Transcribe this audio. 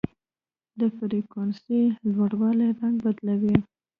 د فریکونسۍ لوړوالی رنګ بدلوي.